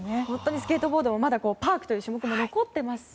スケートボードはまだパークという種目も残っていますし。